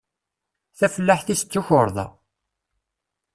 Tafellaḥt-is d tukarḍa.